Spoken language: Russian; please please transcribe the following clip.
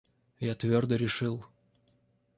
Я твердо решил.